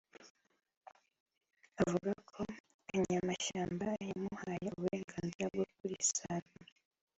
avuga ko kanyamashyamba yamuhaye uburenganzira bwo kurisarura